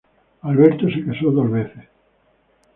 Alberto se casó dos veces.